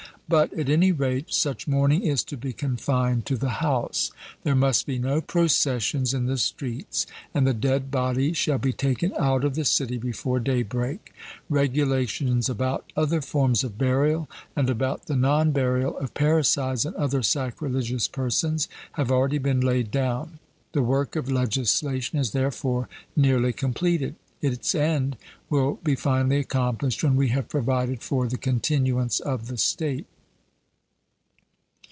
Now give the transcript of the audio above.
But, at any rate, such mourning is to be confined to the house; there must be no processions in the streets, and the dead body shall be taken out of the city before daybreak. Regulations about other forms of burial and about the non burial of parricides and other sacrilegious persons have already been laid down. The work of legislation is therefore nearly completed; its end will be finally accomplished when we have provided for the continuance of the state.